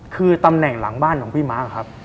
คือตำแหน่งหลังบ้านของพี่ม้าครับ